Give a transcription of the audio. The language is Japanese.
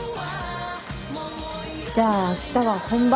じゃあ明日は本番。